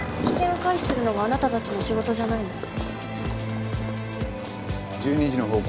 危険を回避するのがあなたたちの仕事じゃないの？